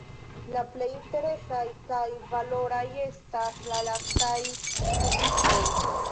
La plej interesaj kaj valoraj estas la lastaj rubrikoj.